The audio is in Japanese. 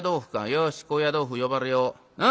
よし高野豆腐呼ばれよう。